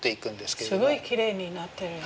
すごいきれいになってる。